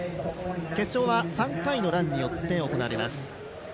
決勝は３回のランによって行われます。